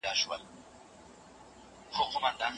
خیر محمد په خپله صافه باندې خپله غاړه پټه کړه.